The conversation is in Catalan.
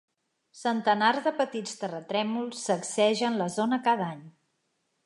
Centenars de petits terratrèmols sacsegen la zona cada any.